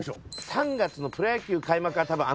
３月のプロ野球開幕は。